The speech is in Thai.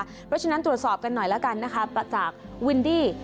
เพราะฉะนั้นตรวจสอบกันหน่อยแล้วกันนะคะประจักษ์วินดี้